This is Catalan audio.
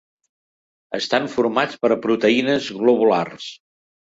Estan formats per proteïnes globulars.